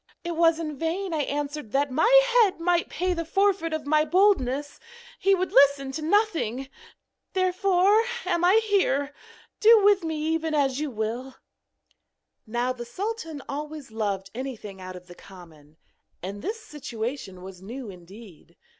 It was in vain I answered that my head might pay the forfeit of my boldness, he would listen to nothing. Therefore am I here; do with me even as you will!' Now the sultan always loved anything out of the common, and this situation was new indeed.